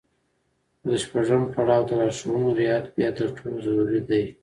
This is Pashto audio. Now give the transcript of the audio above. خو د شپږم پړاو د لارښوونو رعايت بيا تر ټولو ضروري دی.